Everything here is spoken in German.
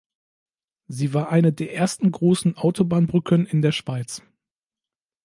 Sie war eine der ersten grossen Autobahnbrücken in der Schweiz.